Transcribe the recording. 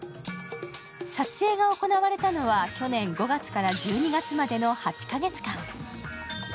撮影が行われたのは去年５月から１２月までの８か月間。